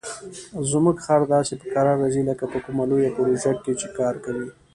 زموږ خر داسې په کراره ځي لکه په کومه لویه پروژه چې کار کوي.